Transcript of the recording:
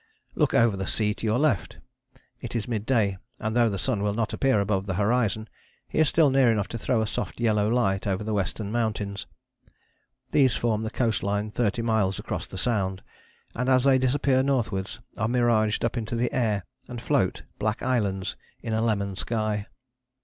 Look over the sea to your left. It is mid day, and though the sun will not appear above the horizon he is still near enough to throw a soft yellow light over the Western Mountains. These form the coast line thirty miles across the Sound, and as they disappear northwards are miraged up into the air and float, black islands in a lemon sky.